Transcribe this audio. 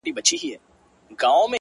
• د ړندو لښکر نیولي تر لمن یو ,